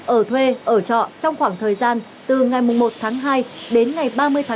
ở thuê ở trọ trong khoảng thời gian từ ngày một hai đến ngày ba mươi sáu hai nghìn hai mươi hai